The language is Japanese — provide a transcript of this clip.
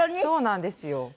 そうなんですよ。